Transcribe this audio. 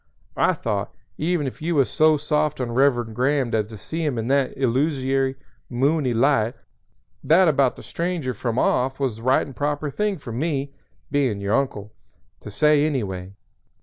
I thought, even if you was so soft on Reverend Graham as to see him in that illusory, moony light, that about the stranger from off was the right and proper thing for me, being your uncle, to say any way.